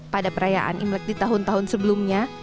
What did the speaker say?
pada perayaan imlek di tahun tahun sebelumnya